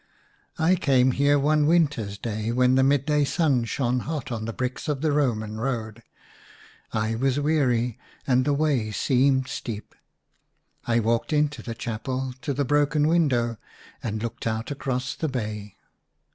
I came here one winter's day when the midday sun shone hot on the bricks of the Roman road. I was weary, and the way seemed steep. I walked into the chapel to the broken window, and looked out across the bay.